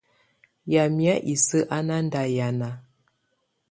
Yamɛ̀á isǝ́ á ná ndà hianà.